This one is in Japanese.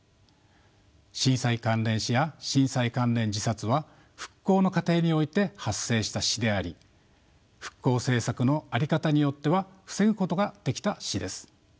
震災関連死や震災関連自殺は復興の過程において発生した死であり復興政策の在り方によっては防ぐことができた死です。